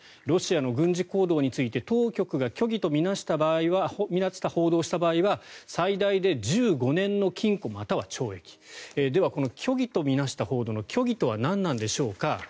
ロシアの軍事行動について当局が虚偽と見なした報道をした場合は最大で１５年の禁錮または懲役。ではこの虚偽と見なした報道の虚偽とは何なんでしょうか。